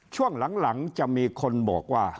ช่วงหลังจะมีคนบอกว่า